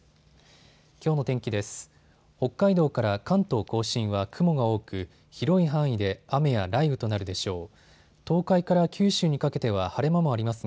きょうの天気です。